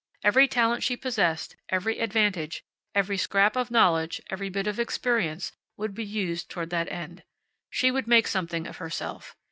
Every talent she possessed, every advantage, every scrap of knowledge, every bit of experience, would be used toward that end. She would make something of herself.